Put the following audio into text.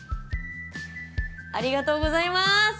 ありがとうございます！